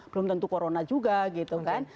belum tentu corona juga gitu kan